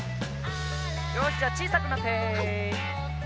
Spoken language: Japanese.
よしじゃあちいさくなって。